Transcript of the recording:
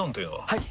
はい！